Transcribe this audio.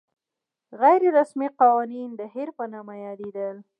غیر رسمي قوانین د هیر په نامه یادېدل.